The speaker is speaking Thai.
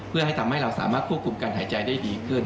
เพื่อให้ทำให้เราสามารถควบคุมการหายใจได้ดีขึ้น